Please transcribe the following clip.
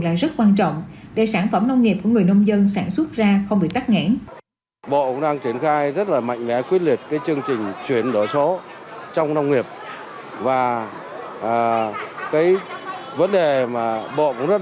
là rất quan trọng để sản phẩm nông nghiệp của người nông dân sản xuất ra không bị tắt nghẽn